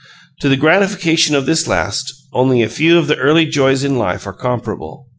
To the gratification of this last, only a few of the early joys in life are comparable.